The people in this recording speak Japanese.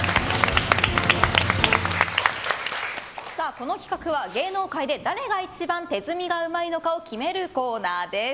この企画は、芸能界で誰が一番手積みがうまいのかを決めるコーナーです。